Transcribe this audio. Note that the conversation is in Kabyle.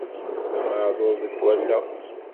D ameεḍur deg allaɣ.